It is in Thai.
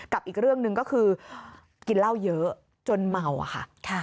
อีกเรื่องหนึ่งก็คือกินเหล้าเยอะจนเมาอะค่ะ